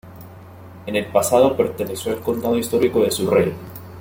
En el pasado perteneció al condado histórico de Surrey.